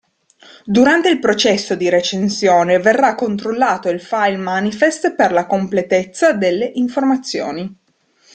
Durante il processo di recensione verrà controllato il file manifest per la completezza delle informazioni.